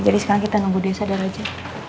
jadi sekarang kita nunggu dia sadar aja